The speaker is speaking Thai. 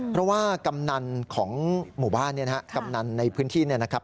เพราะว่ากำนันของหมู่บ้านกำนันในพื้นที่นี่นะครับ